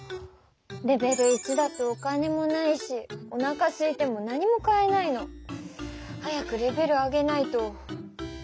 レベル１だとお金もないしおなかすいても何も買えないの。早くレベル上げないと。